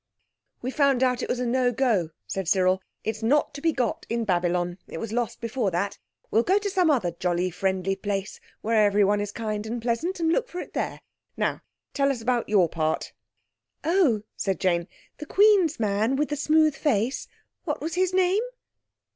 "We found out it was no go," said Cyril; "it's not to be got in Babylon. It was lost before that. We'll go to some other jolly friendly place, where everyone is kind and pleasant, and look for it there. Now tell us about your part." "Oh," said Jane, "the Queen's man with the smooth face—what was his name?"